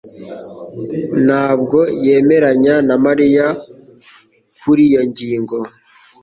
ntabwo yemeranya na Mariya kuri iyo ngingo.